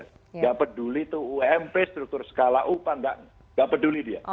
tidak peduli itu ump struktur skala upah tidak peduli dia